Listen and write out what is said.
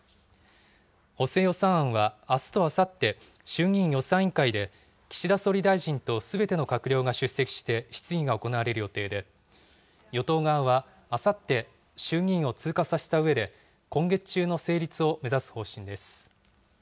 補正予算案はあすとあさって、衆議院予算委員会で、岸田総理大臣とすべての閣僚が出席して質疑が行われる予定で、与党側はあさって、衆議院を通過させたうえで、今月中の成立を目指す方針です。